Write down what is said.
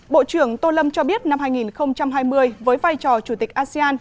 bộ trưởng tô lâm cho biết năm hai nghìn hai mươi với vai trò chủ tịch asean